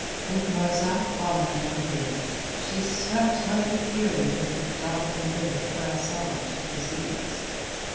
With Marzak following at her heels, she swept like a fury into the darkened room where Asad took his ease.